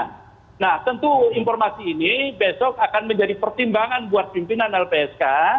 nah tentu informasi ini besok akan menjadi pertimbangan buat pimpinan lpsk